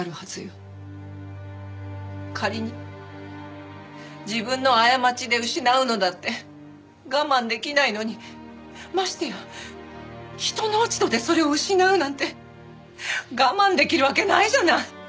仮に自分の過ちで失うのだって我慢できないのにましてや人の落ち度でそれを失うなんて我慢できるわけないじゃない！